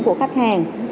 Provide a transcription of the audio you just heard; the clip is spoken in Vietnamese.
của khách hàng